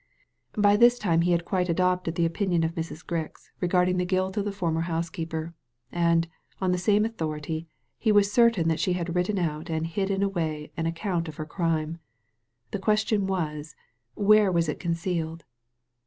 By this time he had quite adopted the opinion of Mrs. Grix regarding the guilt of the former housekeeper, and, on the same authority, he was certain that she had written out and hidden away an account of her crime. The question was/ where was it concealed